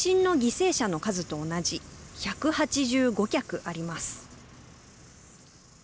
その数は地震の犠牲者の数と同じ１８５脚あります。